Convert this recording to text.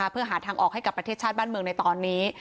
เพื่อหาทางออกให้กับประเทศชาติบ้านเมืองในตอนนี้